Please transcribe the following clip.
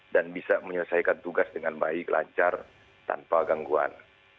dan bisa menyelesaikan tugas dengan baik lancar tanpa gangguan